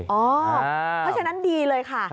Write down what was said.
เพราะฉะนั้นดีเลยค่ะ